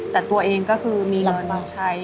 แต่ตัวเองก็คือมีเงินวางใช้